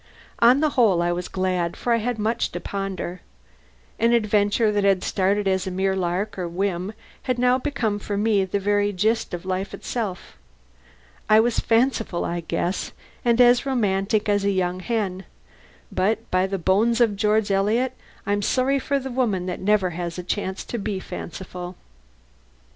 On the whole, I was glad; for I had much to ponder. An adventure that had started as a mere lark or whim had now become for me the very gist of life itself. I was fanciful, I guess, and as romantic as a young hen, but by the bones of George Eliot, I'm sorry for the woman that never has a chance to be fanciful.